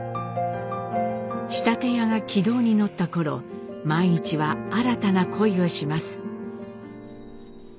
仕立屋が軌道に乗った頃萬一は新たな恋をします。